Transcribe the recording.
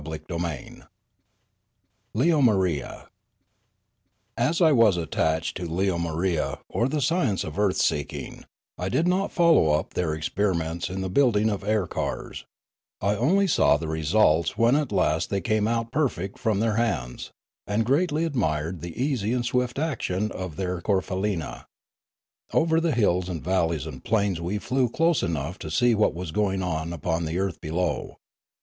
CHAPTER VII LEOMARIK AS I was attached to Leomarie or the science of earth seeing, I did not follow up their experi ments in the building of air cars; I only saw the re sults when at last they came out perfect from their hands, and greatly admired the easy and swift action of their corfaleena. Over the hills and valleys and plains we flew close enough to see what was going on upon the earth below.